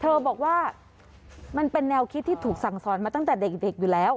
บอกว่ามันเป็นแนวคิดที่ถูกสั่งสอนมาตั้งแต่เด็กอยู่แล้ว